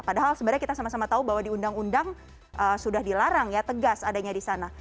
padahal sebenarnya kita sama sama tahu bahwa di undang undang sudah dilarang ya tegas adanya di sana